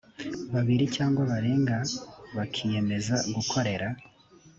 babiri cyangwa barenga bakiyemeza gukorera